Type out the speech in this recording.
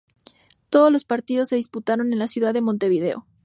Todos los partidos se disputaron en la ciudad de Montevideo.